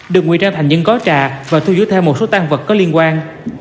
được nguyên trang thành những gói trà và thu dưới theo một số tan vật có liên quan